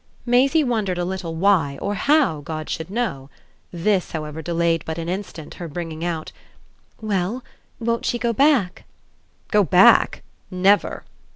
Maisie wondered a little why, or how, God should know; this, however, delayed but an instant her bringing out: "Well, won't she go back?" "Go back? Never!"